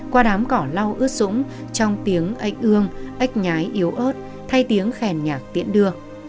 qua đám cỏ lau ướt sũng trong tiếng ếch ương ếch nhái yếu ớt thay tiếng khèn nhạc tiễn đưa